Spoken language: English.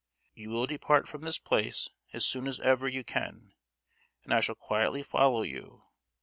You will depart from this place as soon as ever you can, and I shall quietly follow you.